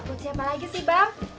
buat siapa lagi sih bang